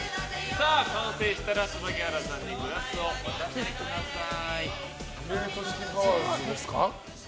完成したら椿原さんにグラスを渡してください。